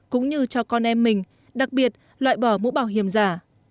cũng như cho con em mình đặc biệt loại bỏ mũ bảo hiểm giả